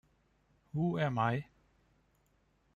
Who Am I?